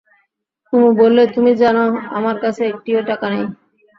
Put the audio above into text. কুমু বললে, তুমি জান, আমার কাছে একটিও টাকা নেই।